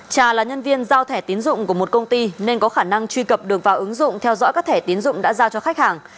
trà là nhân viên giao thẻ tiến dụng của một công ty nên có khả năng truy cập được vào ứng dụng theo dõi các thẻ tiến dụng đã giao cho khách hàng